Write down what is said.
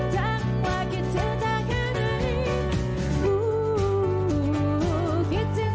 จัดไปเลยคุณผู้ชม